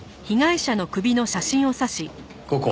ここ。